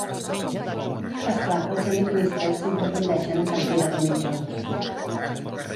És clar que els enigmistes sempre tendeixen a capgirar els mitjons.